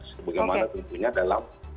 sebagai mana tentunya dalam